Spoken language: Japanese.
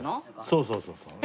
そうそうそうそう。